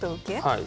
はい。